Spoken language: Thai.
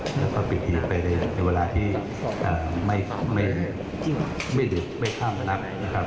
แล้วก็ปิดหินไปเรียนในเวลาที่ไม่ดึกไม่ข้ามนัก